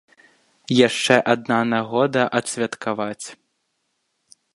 Яшчэ адна нагода адсвяткаваць.